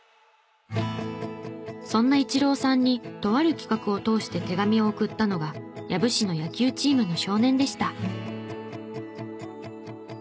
そんなイチローさんにとある企画を通して手紙を送ったのが養父市の野球チームの少年でした。